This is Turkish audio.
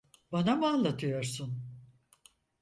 Bana mı anlatıyorsun?